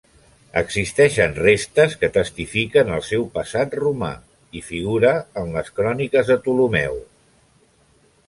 Existeixen restes que testifiquen el seu passat romà i figura en les cròniques de Ptolemeu.